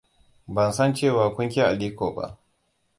Ban san cewa kun ƙi Aliko ba.